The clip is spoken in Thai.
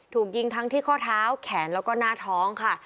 ถูกยิงทั้งที่ข้อเท้าแขนแล้วก็หน้าท้องค่ะ